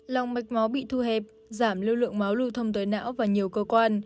lòng mạch máu bị thu hẹp giảm lưu lượng máu lưu thông tới não và nhiều cơ quan